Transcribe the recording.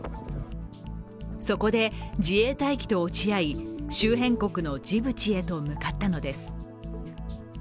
そこで自衛隊機と落ち合い、周辺国のジブチへと向かったのです。